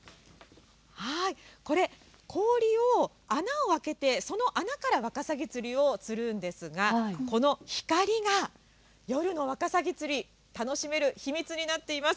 これ、氷を穴を開けて、その穴からワカサギ釣りを釣るんですが、この光が、夜のワカサギ釣り、楽しめる秘密になっています。